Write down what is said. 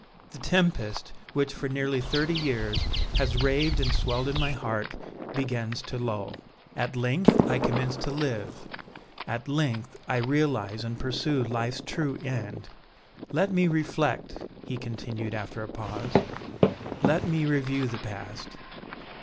The tempest, which, for nearly thirty years, has raved and swelled in my heart, begins to lull! At length I commence to live at length I realize and pursue life's true end. Let me reflect," he continued, after a pause, "let me review the past.